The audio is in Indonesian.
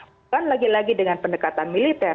bukan lagi lagi dengan pendekatan militer